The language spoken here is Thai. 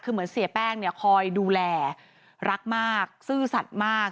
คือเหมือนเสียแป้งเนี่ยคอยดูแลรักมากซื่อสัตว์มาก